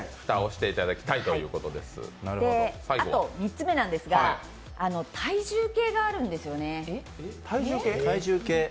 あと、３つ目なんですが、体重計があるんですよね。